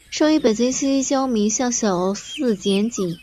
生于北京西郊民巷小四眼井。